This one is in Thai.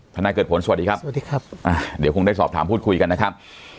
นายเกิดผลสวัสดีครับสวัสดีครับอ่าเดี๋ยวคงได้สอบถามพูดคุยกันนะครับ